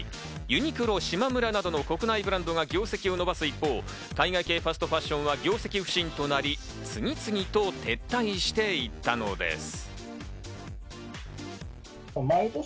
ユニクロ、しまむらなどの国内ブランドが業績を伸ばす一方、海外系ファストファッションは業績不振となり、次々と撤退していったのです。